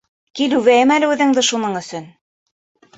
Кил үбәйем әле үҙеңде шуның өсөн!